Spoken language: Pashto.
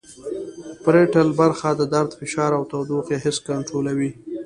پریټل برخه د درد فشار او تودوخې حس کنترولوي